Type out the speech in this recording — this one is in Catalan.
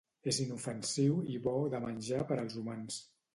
És inofensiu i bo de menjar per als humans.